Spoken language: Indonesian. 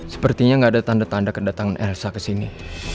sepertinya gak ada tanda tanda kedatangan elsa kesini